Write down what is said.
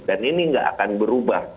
dan ini nggak akan berubah